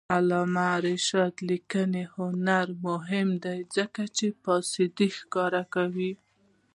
د علامه رشاد لیکنی هنر مهم دی ځکه چې فساد ښکاره کوي.